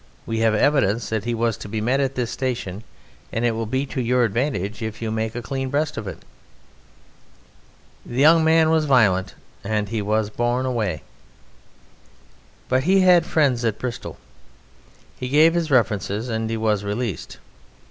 We have evidence that he was to be met at this station and it will be to your advantage if you make a clean breast of it." The young man was violent and he was borne away. But he had friends at Bristol. He gave his references and he was released.